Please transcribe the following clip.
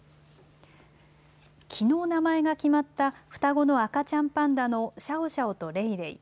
きのう名前が決まった双子の赤ちゃんパンダのシャオシャオとレイレイ。